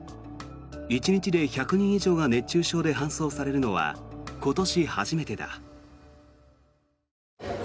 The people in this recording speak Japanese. １日で１００人以上が熱中症で搬送されるのは今年初めてだ。